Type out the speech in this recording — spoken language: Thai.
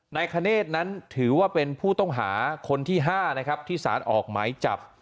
นายคเนธนั้นถือว่าเป็นผู้ต้องหาคนที่๕นะครับที่สารออกหมายจับ